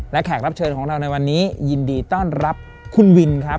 และแขกรับเชิญของเราในวันนี้ยินดีต้อนรับคุณวินครับ